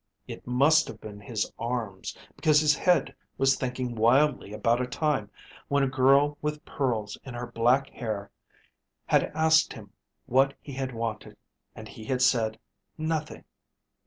It must have been his arms, because his head was thinking wildly about a time when a girl with pearls in her black hair had asked him what he had wanted, and he had said, 'Nothing